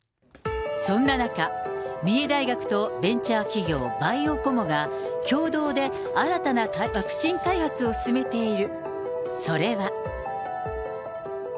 そんな中、三重大学とベンチャー企業、バイオコモが、共同で新たなワクチン開発を進めている。